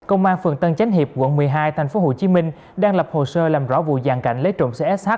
công an phường tân chánh hiệp quận một mươi hai tp hcm đang lập hồ sơ làm rõ vụ giàn cảnh lấy trộm xe sh